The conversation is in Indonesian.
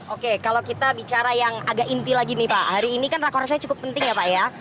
oke kalau kita bicara yang agak inti lagi nih pak hari ini kan rakor saya cukup penting ya pak ya